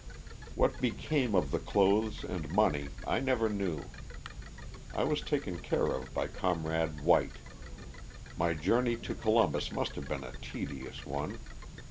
What became of the clothes and money LOSS OF THE SULTANA. 3)89 I never knew. I was taken care of by Comrade White. My journey to Columbus must have been a tedious one.